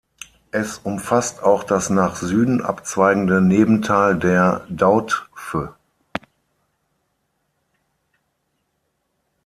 Es umfasst auch das nach Süden abzweigende Nebental der Dautphe.